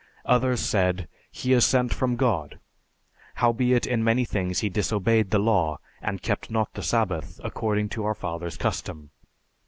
Others said, 'He is sent from God.' Howbeit in many things he disobeyed the law and kept not the Sabbath according to our fathers' custom.